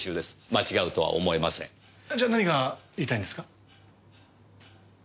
じゃあ何が言いたいんですか？